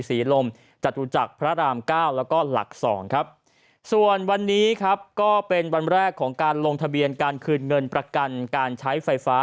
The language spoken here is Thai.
ลมจตุจักรพระรามเก้าแล้วก็หลักสองครับส่วนวันนี้ครับก็เป็นวันแรกของการลงทะเบียนการคืนเงินประกันการใช้ไฟฟ้า